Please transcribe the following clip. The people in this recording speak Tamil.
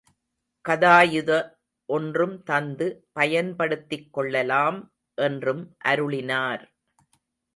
கதாயுத ஒன்றும் தந்து பயன்படுத்திக் கொள்ளலாம் என்றும் அருளினார்.